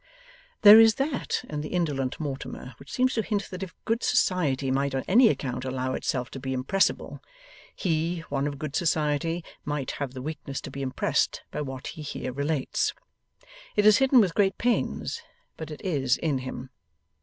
There is that in the indolent Mortimer, which seems to hint that if good society might on any account allow itself to be impressible, he, one of good society, might have the weakness to be impressed by what he here relates. It is hidden with great pains, but it is in him.